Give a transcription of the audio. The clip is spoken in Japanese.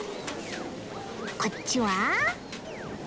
こっちは？